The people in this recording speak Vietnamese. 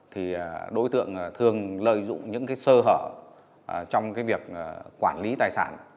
thì đối tượng thường lợi dụng những cái sơ hở trong việc quản lý tài sản